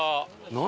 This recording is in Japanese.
何？